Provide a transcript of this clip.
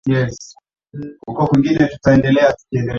laki tisa sabini na saba na themanini na moja nukta sifuri sifuri